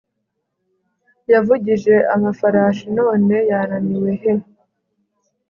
Yavugije amafarashi none yananiwe he